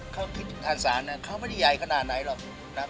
เขาคิดทานสารเนี่ยเขาไม่ได้ยายขนาดไหนหรอก